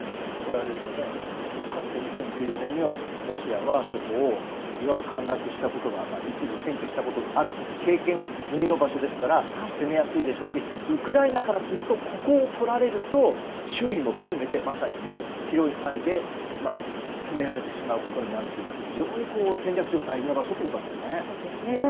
かつて２０１４年にはロシアはそこを、いわば陥落したことが一部占拠したことがあると経験済みの場所ですから攻めやすいでしょうしウクライナからするとここを取られると周囲も含めて、まさに面広い範囲で攻められてしまうことになるというのは非常に戦略上で大事な場所ということですね。